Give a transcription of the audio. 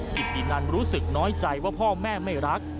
กิตินันรู้สึกน้อยใจว่าพ่อแม่ไม่รัก